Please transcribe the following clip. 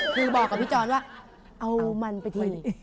คือบอกกับพี่จรว่าเอามันไปที